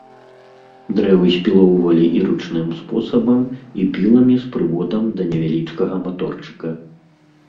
Дрэвы спілоўвалі і ручным спосабам і піламі з прыводам ад невялічкага маторчыка.